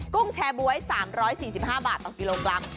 กุ้งแชร์บ๊วย๓๔๕บาทต่อกิโลกรัม